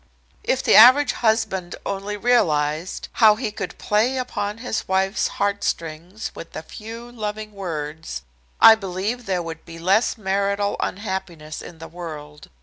If the average husband only realized how he could play upon his wife's heart strings with a few loving words I believe there would be less marital unhappiness in the world.